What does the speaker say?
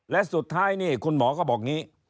และสุดท้ายนี่คุณหมอก็บอกอย่างนี้